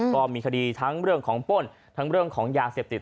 ก็มีคดีทั้งเรื่องของป้นทั้งเรื่องของยาเสพติด